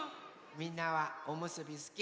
みんなはおむすびすき？